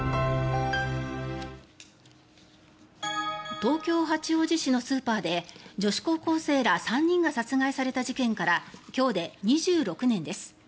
東京・八王子市のスーパーで女子高校生ら３人が殺害された事件から今日で２６年です。